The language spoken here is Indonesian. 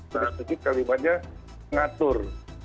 sedikit sedikit kalimatnya mengatur